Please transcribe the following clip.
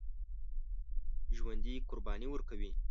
ژوندي قرباني ورکوي